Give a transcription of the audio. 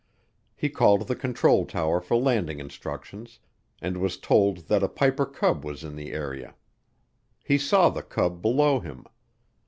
He called the control tower for landing instructions and was told that a Piper Cub was in the area. He saw the Cub below him.